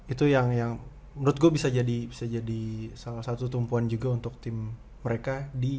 itu yang yang menurut gue bisa jadi bisa jadi salah satu tumpuan juga untuk tim mereka di